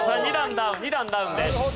ダウン２段ダウンです。